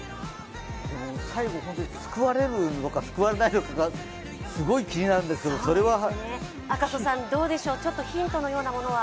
最後、本当に救われるのか、救われないのかが、すごい気になるんですが、それはちょっとヒントのようなものは？